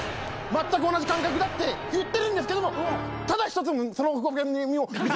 まったく同じ感覚だって言ってるんですけどもただ一つその。